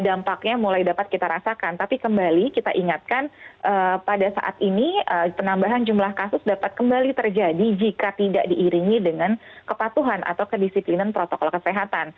jadi dampaknya mulai dapat kita rasakan tapi kembali kita ingatkan pada saat ini penambahan jumlah kasus dapat kembali terjadi jika tidak diiringi dengan kepatuhan atau kedisiplinan protokol kesehatan